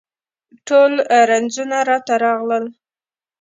ټول رنځونه راته راغلل